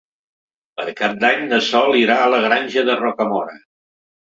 Per Cap d'Any na Sol irà a la Granja de Rocamora.